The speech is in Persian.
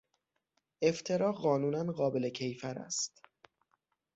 افترا قانونا قابل کیفر است.